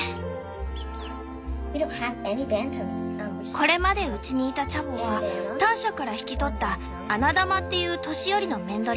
これまでうちにいたチャボはターシャから引き取った「アナダマ」っていう年寄りの雌鶏だけ。